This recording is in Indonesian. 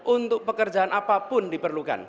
untuk pekerjaan apapun diperlukan